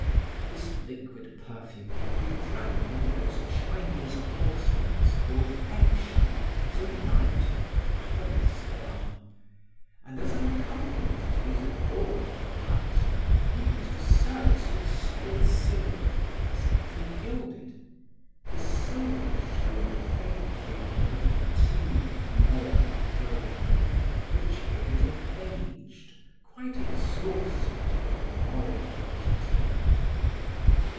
This liquid perfume he drank in those Chinese porcelains called egg shell, so light and diaphanous they are. And, as an accompaniment to these adorable cups, he used a service of solid silver, slightly gilded; the silver showed faintly under the fatigued layer of gold, which gave it an aged, quite exhausted and moribund tint.